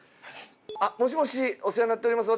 あっもしもしお世話になっております。